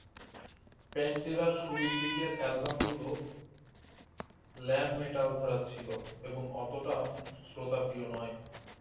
প্যান্টেরার শুরুর দিকের অ্যালবামগুলো lamp metal ধারার ছিল এবং অতটা শ্রোতাপ্রিয় নয়।